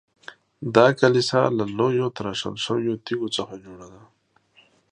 دا کلیسا له لویو تراشل شویو تیږو څخه جوړه ده.